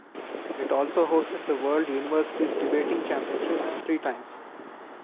It also hosted the World Universities Debating Championships three times.